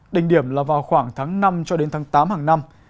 đỉnh điểm là vào khoảng tháng năm cho đến tháng tám hàng năm